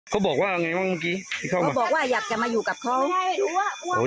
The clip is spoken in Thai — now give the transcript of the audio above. เขาบอกว่าอยากจะมาอยู่กับเขา